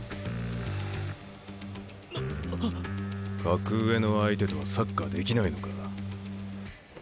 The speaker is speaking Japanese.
格上の相手とはサッカーできないのか？